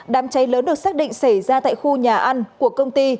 đám cháy lớn được xác định xảy ra tại khu nhà ăn của công ty